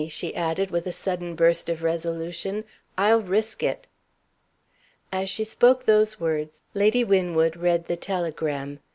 she added, with a sudden burst of resolution. "I'll risk it!" As she spoke those words, Lady Winwood read the telegram.